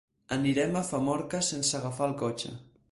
Anirem a Famorca sense agafar el cotxe.